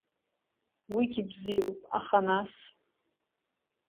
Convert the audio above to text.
Уигьы бзиоуп, аха нас…